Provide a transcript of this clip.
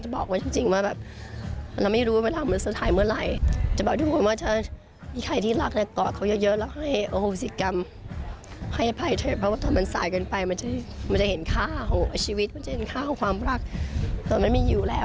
โปรดติดตามตอนต่อไป